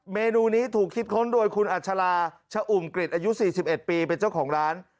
เมนูนี้ถูกคิดค้นโดยคุณอัชราชอุ่มกริจอายุ๔๑ปีเป็นเจ้าของร้าน